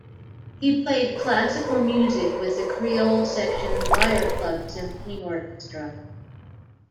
He played classical music with the Creole section's Lyre Club Symphony Orchestra.